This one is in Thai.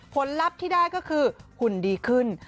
ลัพธ์ที่ได้ก็คือหุ่นดีขึ้น